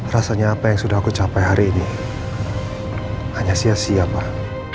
rasanya apa yang sudah aku capai hari ini hanya sia sia pak